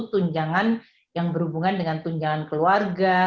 tunjangan yang berhubungan dengan tunjangan keluarga